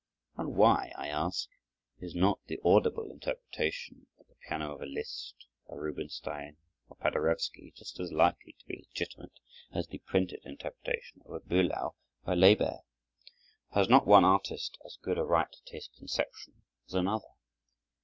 And why, I ask, is not the audible interpretation at the piano of a Liszt, a Rubinstein, or a Paderewski just as likely to be legitimate as the printed interpretation of a Bülow or a Lebert? Has not one artist as good a right to his conception as another?